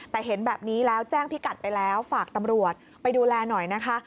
แต่เห็นแบบนี้แล้วแจ้งพิกัดไปแล้วฝากตำรวจไปดูแลหน่อยนะคะ